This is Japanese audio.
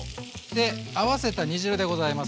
で合わせた煮汁でございます